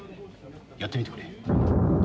やってみてくれ。